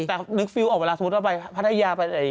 แต่นึกฟิวออกเวลาสมมติว่าไปพัทยาไปอีกอย่างนี้